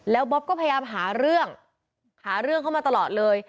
แล้วบ๊อบก็พยายามหาเรื่องหาเรื่องเข้ามาตลอดเลย